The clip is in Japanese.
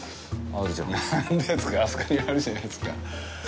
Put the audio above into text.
あそこにあるじゃないですか。